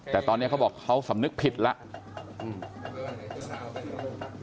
แต่ตอนนี้เขาบอกเขาสำนึกผิดแล้ว